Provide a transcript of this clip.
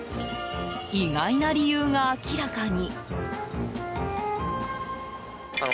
意外な理由が明らかに。